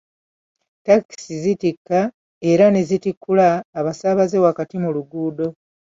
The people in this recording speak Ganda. Takisi zitikka era ne zitikkula abasaabaze wakati mu luguudo.